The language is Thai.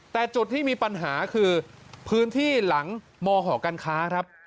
แต่จุดที่มีปัญหาคือพื้นที่หลังมหอการค้าครับ